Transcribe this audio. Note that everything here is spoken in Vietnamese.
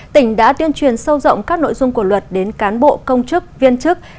tỉnh đã tuyên truyền sâu rộng các nội dung của luật đến cán bộ công chức viên chức